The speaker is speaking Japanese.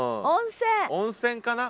温泉かな。